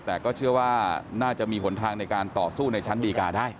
แต่ก็เชื่อว่าน่าจะมีหนทางในการต่อสู้ในชั้นดีการได้